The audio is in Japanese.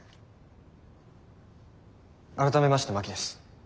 改めまして真木です。